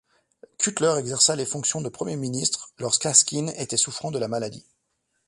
Cutler exerça les fonctions de premier ministre lorsqu'Askin était souffrant de la maladie.